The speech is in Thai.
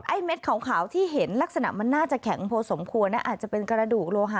ไอ้เม็ดขาวที่เห็นลักษณะมันน่าจะแข็งโพสมควร